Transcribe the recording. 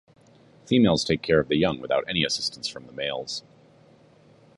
Females take care of the young without any assistance from the males.